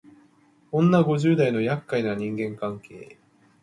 女五十代のやっかいな人間関係